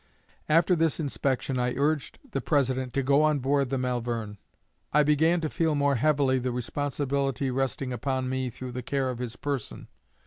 "After this inspection I urged the President to go on board the 'Malvern.' I began to feel more heavily the responsibility resting upon me through the care of his person.